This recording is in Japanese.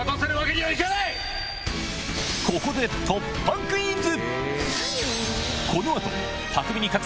ここで突破クイズ！